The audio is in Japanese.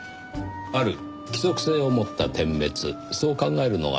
ある規則性を持った点滅そう考えるのが妥当でしょう。